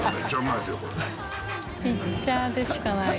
ピッチャーでしかない。